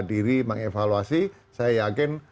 diri mengevaluasi saya yakin